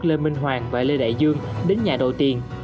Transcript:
lê minh hoàng và lê đại dương đến nhà đòi tiền